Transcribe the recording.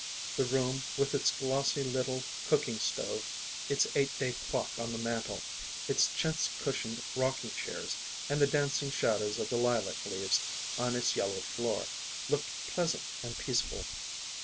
The room, with its glossy little cooking stove, its eight day clock on the mantel, its chintz cushioned rocking chairs, and the dancing shadows of the lilac leaves on its yellow floor, looked pleasant and peaceful.